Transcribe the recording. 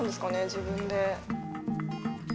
自分で。